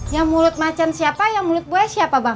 ya mulut macan siapa yang mulut buaya siapa bang